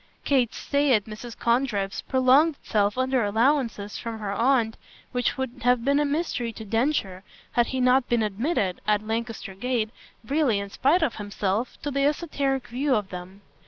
Kate's stay at Mrs. Condrip's prolonged itself under allowances from her aunt which would have been a mystery to Densher had he not been admitted, at Lancaster Gate, really in spite of himself, to the esoteric view of them.